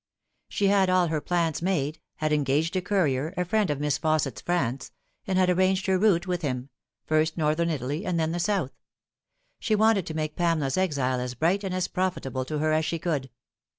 She had all her plans made, had engaged a courier a friend of Miss Fausset's Franz and had arranged her route with him : first Northern Italy and then the South. She wanted to make Pamela's exile as bright and as profitable to her as she could.